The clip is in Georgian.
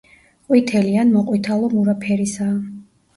ყვითელი ან მოყვითალო-მურა ფერისაა.